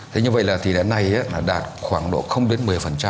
thế như vậy là thì đến nay nó đạt khoảng độ không đến một mươi